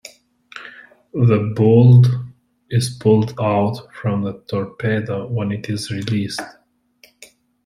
The bolt is pulled out from the torpedo when it is released.